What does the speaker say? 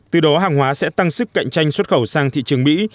từ đó hàng hóa sẽ tăng sức cạnh tranh xuất khẩu sang thị trường mỹ